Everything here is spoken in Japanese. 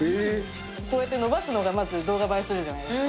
こうやって伸ばすのが動画映えするじゃないですか？